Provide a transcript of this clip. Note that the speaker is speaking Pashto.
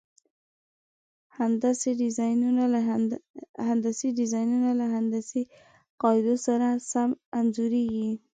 هندسي ډیزاینونه له هندسي قاعدو سره سم انځوریږي.